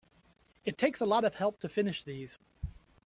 It takes a lot of help to finish these.